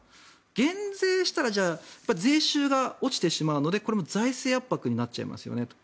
減税したらじゃあ、税収が落ちてしまうのでこれも財政圧迫になっちゃいますよねと。